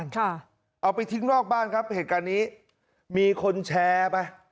เชิญชมครับ